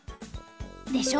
でしょ！